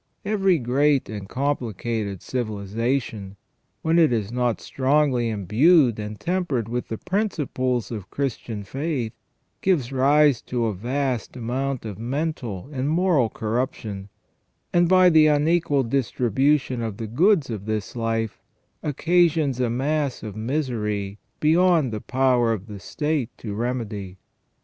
Every great and complicated civilization, when it is not strongly imbued and tempered with the principles of Christian faith, gives rise to a vast amount of mental and moral AND THE REDEMPTION OF CHRIS2\ 281 corruption, and by the unequal distribution of the goods of this life occasions a mass of misery beyond the power of the State to remedy.